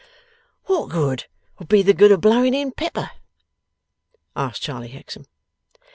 'What would be the good of blowing in pepper?' asked Charley Hexam.